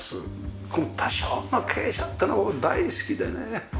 この多少の傾斜ってのが僕大好きでね。